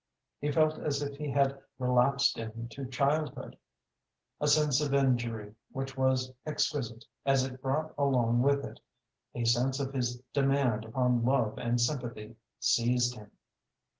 He felt as if he had relapsed into childhood. A sense of injury which was exquisite, as it brought along with it a sense of his demand upon love and sympathy, seized him.